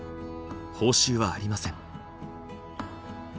報酬はありません。